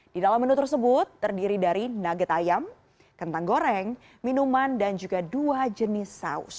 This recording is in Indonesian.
di dalam menu tersebut terdiri dari nugget ayam kentang goreng minuman dan juga dua jenis saus